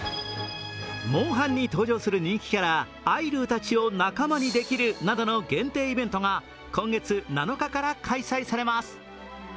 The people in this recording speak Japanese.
「モンハン」に登場するニンキキャラ、アイルーたちを仲間にできるなどの限定イベントが今月７日から開催されます。